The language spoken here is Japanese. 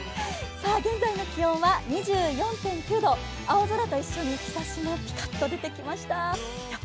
現在の気温は２４．９度、青空と一緒に日ざしも出てきました。